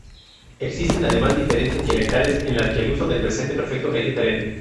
Existen además diferencias dialectales en las que el uso del presente perfecto es diferente.